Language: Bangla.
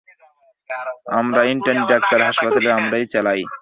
আমরা ইন্টানি ডাক্তার হাসপাতাল আমরাই চালাই।